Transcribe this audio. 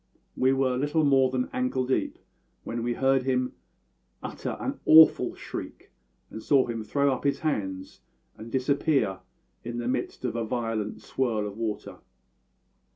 We were little more than ankle deep when we heard him utter an awful shriek, and saw him throw up his hands and disappear in the midst of a violent swirl of water.